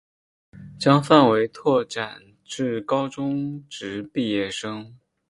将范围拓展至高中职毕业生